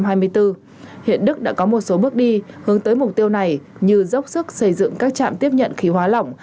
hiện đức đã có một số bước đi hướng tới mục tiêu này như dốc sức xây dựng các trạm tiếp nhận khí hóa lỏng